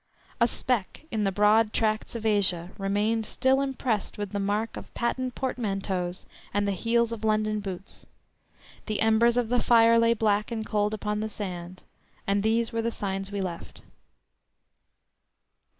A speck in the broad tracts of Asia remained still impressed with the mark of patent portmanteaus and the heels of London boots; the embers of the fire lay black and cold upon the sand, and these were the signs we left.